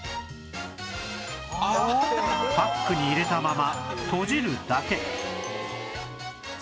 パックに入れたまま閉じるだけ